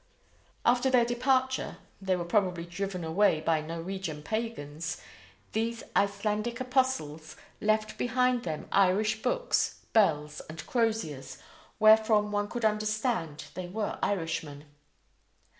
After their departure they were probably driven away by Norwegian pagans these Icelandic apostles "left behind them Irish books, bells, and croziers, wherefrom one could understand they were Irishmen."